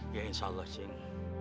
ya insya allah cing